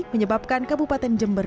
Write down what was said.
menyebabkan kabupaten jember